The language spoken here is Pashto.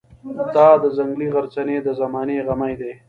دا د ځنګلي غرڅنۍ د زمانې غمی دی.